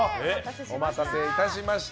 お待たせいたしました。